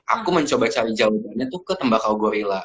aku mencoba cari jawabannya tuh ke tembakau gorilla